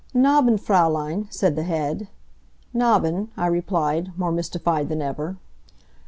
"Nabben', Fraulein," said the head. "Nabben'," I replied, more mystified than ever.